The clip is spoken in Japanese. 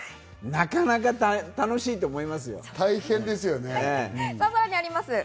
なかなか楽しいと思いますよ。